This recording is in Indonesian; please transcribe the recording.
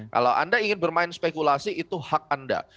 kalau anda ingin bermain spekulasi itu hak anda